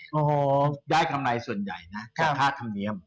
เนี่ยต้องได้กำไรส่วนใหญ่นะจากค่าทำเนียม